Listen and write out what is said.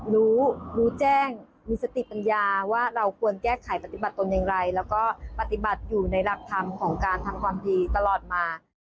รู้รู้แจ้งมีสติปัญญาว่าเราควรแก้ไขปฏิบัติตนอย่างไรแล้วก็ปฏิบัติอยู่ในหลักธรรมของการทำความดีตลอดมา